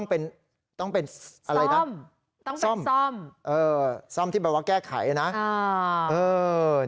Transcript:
เออมั้ย